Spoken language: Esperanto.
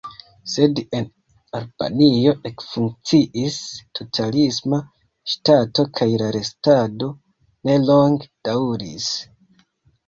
Sed en Albanio ekfunkciis totalisma ŝtato kaj la restado ne longe daŭris.